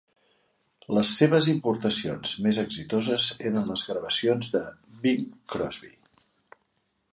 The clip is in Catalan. Les seves importacions més exitoses eren les gravacions de Bing Crosby.